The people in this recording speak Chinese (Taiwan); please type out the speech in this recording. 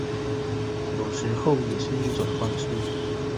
有時候也是一種方式